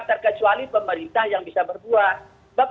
terkecuali pemerintah yang bisa berbuat